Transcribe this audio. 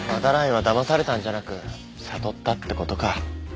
斑井はだまされたんじゃなく悟ったってことか。